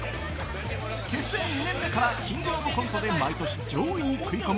結成２年目から「キングオブコント」で毎年上位に食い込む